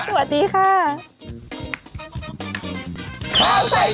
สวัสดีค่ะ